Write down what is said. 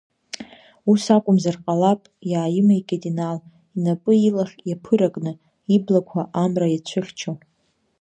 Ус акәымзар ҟалап, иааимеикит Инал, инапы ил-ахь иаԥыракны, иблақәа амра иацәыхьчо.